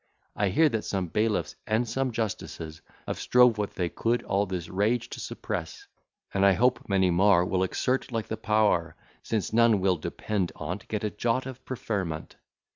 I hear that some bailiffs and some justices Have strove what they could, all this rage to suppress; And I hope many more Will exert the like power, Since none will, depend on't, Get a jot of preferment.